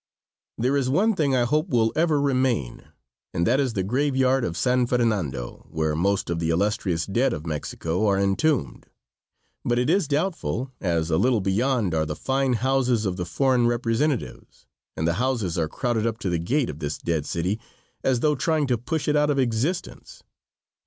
There is one thing I hope will ever remain, and that is the graveyard of San Fernando, where most of the illustrious dead of Mexico are entombed. But it is doubtful, as a little beyond are the fine houses of the foreign representatives, and the houses are crowding up to the gate of this dead city as though trying to push it out of existence.